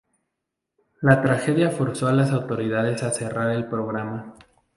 La tragedia forzó a las autoridades a cerrar el programa.